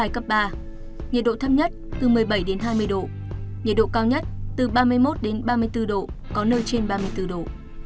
nhiệt độ thâm nhất phía nam từ một mươi bảy hai mươi độ nhiệt độ cao nhất phía nam từ ba mươi một ba mươi bốn độ có nơi trên ba mươi bốn độ